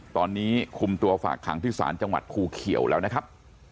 ตอนนี้คุมตัวฝากขังที่ศาลจังหวัดภูเขียวแล้วนะครับ